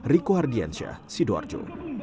riku hardiansyah sidoarjo